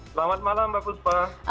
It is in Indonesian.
selamat malam mbak kuspa